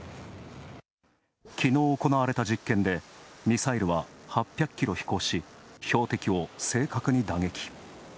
きのう行われた実験でミサイルは８００ｋｍ飛行し標的を正確に打撃。